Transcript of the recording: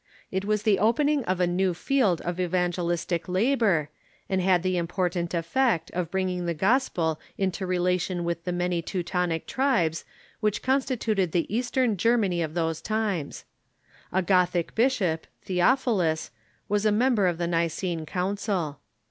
It was the opening of a new field of evangelistic labor, and had the important effect of bringing the Gospel into relation with the many Teutonic tribes which constituted the Eastern Germany of those times. A Gothic bishop, Theophilus, was a member of the Nicene Council.